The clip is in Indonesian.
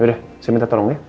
yaudah saya minta tolong ya